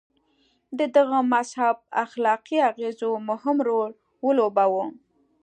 د دغه مذهب اخلاقي اغېزو مهم رول ولوباوه.